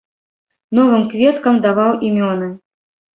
Новым кветкам даваў імёны.